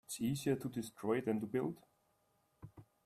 It is easier to destroy than to build.